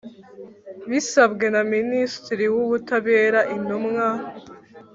Bisabwe na minisitiri w ubutabera intumwa